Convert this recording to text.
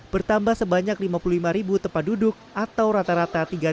bertambah sebanyak lima puluh lima tempat duduk atau rata rata tiga empat ratus delapan tempat